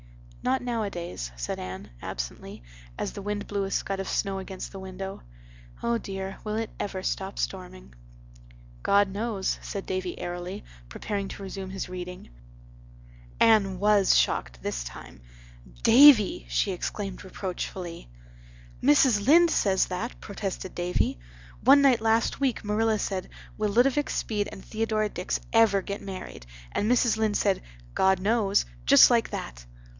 "Not nowadays," said Anne, absently, as the wind blew a scud of snow against the window. "Oh, dear, will it ever stop storming." "God knows," said Davy airily, preparing to resume his reading. Anne was shocked this time. "Davy!" she exclaimed reproachfully. "Mrs. Lynde says that," protested Davy. "One night last week Marilla said 'Will Ludovic Speed and Theodora Dix ever get married?" and Mrs. Lynde said, "'God knows'—just like that."